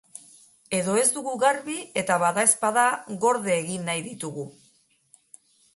Edo ez dugu garbi eta badaezpada, gorde egin nahi ditugu.